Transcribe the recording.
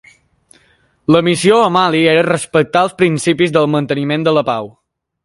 La missió a Mali era respectar els principis del manteniment de la pau.